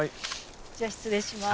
じゃあ失礼します。